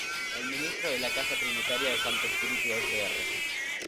El Ministro de la Casa Trinitaria de Santo Espíritu fr.